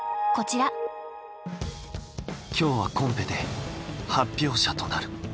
今日はコンペで発表者となる。